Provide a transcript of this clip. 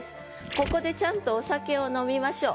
ここでちゃんとお酒を飲みましょう。